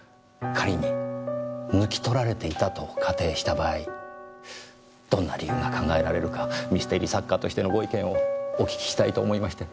仮に抜き取られていたと仮定した場合どんな理由が考えられるかミステリー作家としてのご意見をお聞きしたいと思いまして。